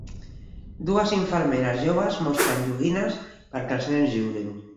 Dues infermeres joves mostren joguines perquè els nens juguin.